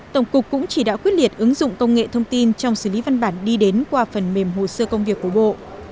tổng cục cũng chỉ đạo quyết liệt ứng dụng công nghệ thông tin trong xử lý văn bản đi đến qua phần mềm hồ sơ công việc của bộ